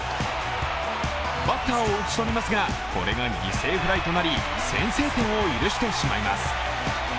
バッターを打ち取りますが、これが犠牲フライとなり先制点を許してしまいます。